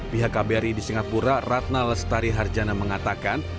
pihak kbri di singapura ratna lestari harjana mengatakan